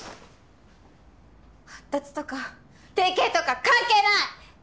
発達とか定型とか関係ない！